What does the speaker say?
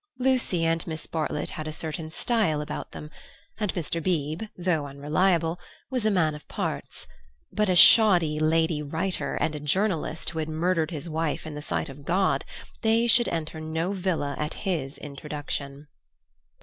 Lucy and Miss Bartlett had a certain style about them, and Mr. Beebe, though unreliable, was a man of parts. But a shoddy lady writer and a journalist who had murdered his wife in the sight of God—they should enter no villa at his introduction.